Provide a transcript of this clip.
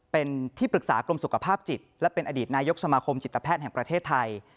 เป็นที่ปรึกษากรมสุขภาพจิตและเป็นอดีตนายกสมาคมจิตแพทย์แห่งประเทศไทย